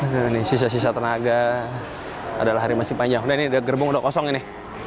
nah ini sisa sisa tenaga adalah hari masih panjang udah ini gerbong sudah kosong ini